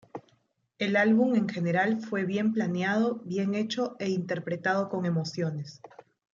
El álbum en general fue bien planeado, bien hecho e interpretado con emociones.